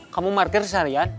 kamu parkir seharian